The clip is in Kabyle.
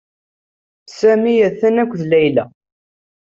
Sami atan akked Layla.